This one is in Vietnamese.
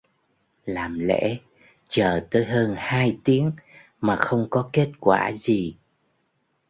làm lễ chờ tới hơn hai tiếng mà không có kết quả gì